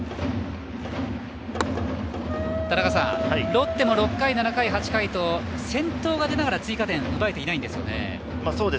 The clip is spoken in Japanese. ロッテも、７回８回と先頭が出ながら追加点を奪えていないんですね。